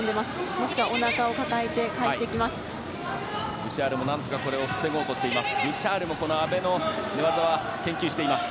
もしくは、おなかを抱えて返していきます。